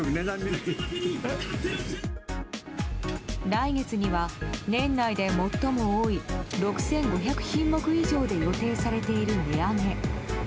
来月には年内で最も多い６５００品目以上で予定されている値上げ。